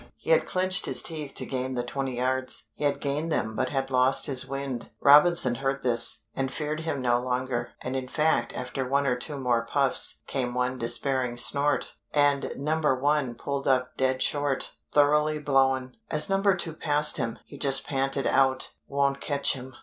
He had clinched his teeth to gain the twenty yards; he had gained them but had lost his wind. Robinson heard this, and feared him no longer, and in fact after one or two more puffs came one despairing snort, and No. 1 pulled up dead short, thoroughly blown. As No. 2 passed him, he just panted out "Won't catch him."